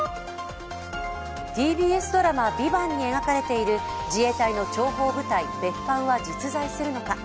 ＴＢＳドラマ「ＶＩＶＡＮＴ」に描かれている自衛隊の諜報部隊、別班は実在するのか。